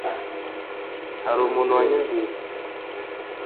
hari umuntu wanyumvise